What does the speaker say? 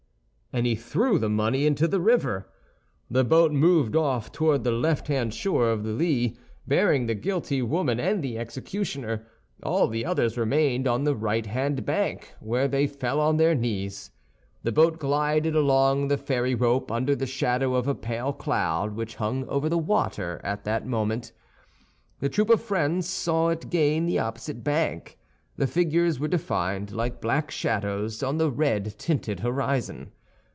And he threw the money into the river. The boat moved off toward the left hand shore of the Lys, bearing the guilty woman and the executioner; all the others remained on the right hand bank, where they fell on their knees. The boat glided along the ferry rope under the shadow of a pale cloud which hung over the water at that moment. The troop of friends saw it gain the opposite bank; the figures were defined like black shadows on the red tinted horizon.